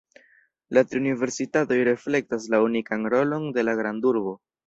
La tri universitatoj reflektas la unikan rolon de la grandurbo.